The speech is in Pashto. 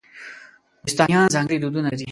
نورستانیان ځانګړي دودونه لري.